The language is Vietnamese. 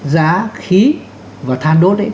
giá khí và than đốt